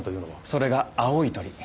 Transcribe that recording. それが「青い鳥」。